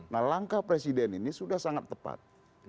nah langkah presiden ini sudah sangat tepat